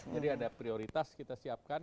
jadi ada prioritas kita siapkan